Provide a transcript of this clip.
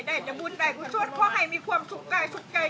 ได้จะบุญได้กุศตเพราะให้มีความสุขใกล้สุขใกล้